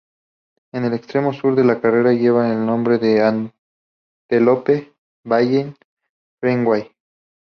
En el extremo sur de la carretera lleva el nombre de Antelope Valley Freeway.